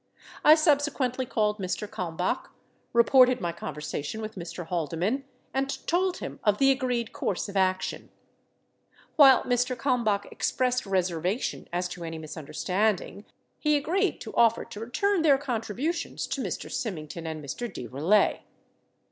I subsequently called Mr. Kalmbach, reported my conver sation with Mr. Haldeman, and told him of the agreed course of action. While Mr. Kalmbach expressed reservation as to any misunderstanding, he agreed to offer to return their con tributions to Mr. Symington and Mr. de Roulet.